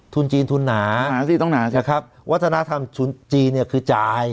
จีนทุนหนาห่าสิต้องหนาเถอะครับวัฒนธรรมทุนจีนเนี่ยคือจ่าย